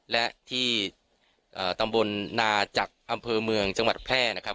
และที่ตำบลนาจักรอำเภอเมืองจังหวัดแพร่นะครับ